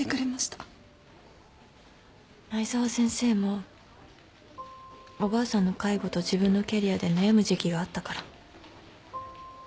藍沢先生もおばあさんの介護と自分のキャリアで悩む時期があったから。